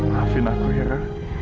maafin aku indira